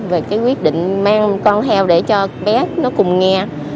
về cái quyết định mang con heo để cho bé nó cùng nghe